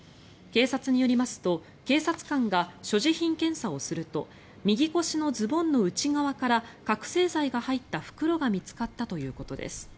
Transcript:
警察によりますと警察官が所持品検査をすると右腰のズボンの内側から覚醒剤が入った袋が見つかったということです。